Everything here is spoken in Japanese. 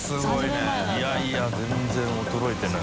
いやいや全然衰えてない。